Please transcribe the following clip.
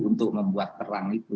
untuk membuat terang itu